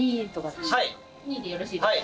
３２でよろしいですか？